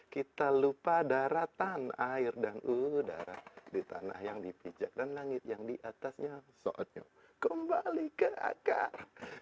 kita lupa daratan air dan udara di tanah yang dipijak dan langit yang diatasnya soalnya kembali ke akar